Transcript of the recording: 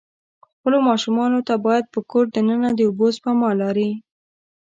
خپلو ماشومان ته باید په کور د ننه د اوبه سپما لارې.